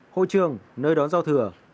hội trường nơi đón giao thừa